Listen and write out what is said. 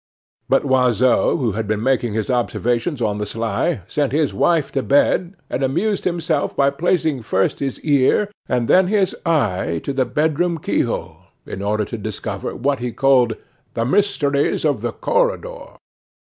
But Loiseau, who had been making his observations on the sly, sent his wife to bed, and amused himself by placing first his ear, and then his eye, to the bedroom keyhole, in order to discover what he called "the mysteries of the corridor."